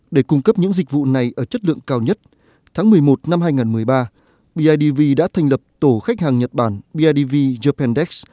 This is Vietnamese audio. để cung cấp những dịch vụ này ở chất lượng cao nhất tháng một mươi một năm hai nghìn một mươi ba bidv đã thành lập tổ khách hàng nhật bản bidv japendats